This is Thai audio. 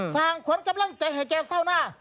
ส่างขวานกำลังใจเหยียดเศร้าหน้า